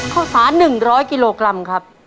ข้าวสาร๑๐๐กิโลกรัมครับ